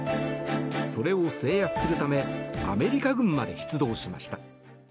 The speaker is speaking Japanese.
それを制圧するためアメリカ軍まで出動しました。